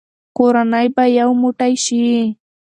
کورنۍ به یو موټی شي.